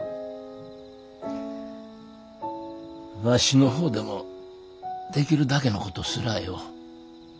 わしの方でもできるだけのことすらあよお。